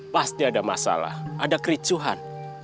pasti ada masalah ada kericuhan